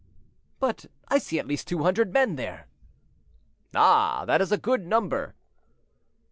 "But I see at least two hundred men there." "Ah! that is a good number."